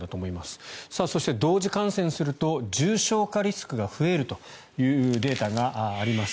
そして、同時感染すると重症化リスクが増えるというデータがあります。